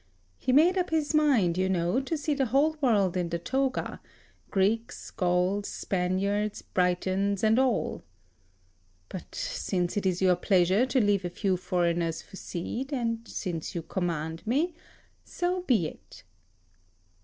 (He made up his mind, you know, to see the whole world in the toga, Greeks, Gauls, Spaniards, Britons, and all.) But since it is your pleasure to leave a few foreigners for seed, and since you command me, so be it."